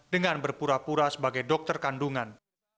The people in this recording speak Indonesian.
dengan berpura pura sebagai dokter kandungan